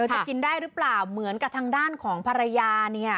จะกินได้หรือเปล่าเหมือนกับทางด้านของภรรยาเนี่ย